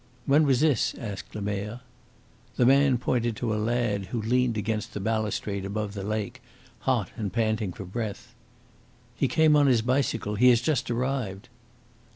"When was this?" asked Lemerre. The man pointed to a lad who leaned against the balustrade above the lake, hot and panting for breath. "He came on his bicycle. He has just arrived."